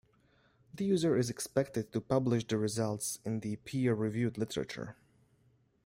The user is expected to publish the results in the peer-reviewed literature.